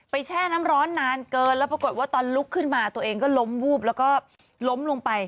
แช่น้ำร้อนนานเกินแล้วปรากฏว่าตอนลุกขึ้นมาตัวเองก็ล้มวูบแล้วก็ล้มลงไป